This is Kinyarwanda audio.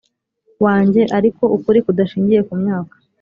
wanjye ariko ukuri kudashingiye ku myaka